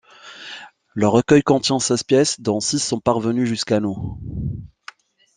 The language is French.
Le recueil contient seize pièces, dont six sont parvenues jusqu'à nous.